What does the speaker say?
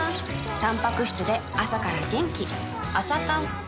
たんぱく質で朝から元気